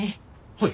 はい。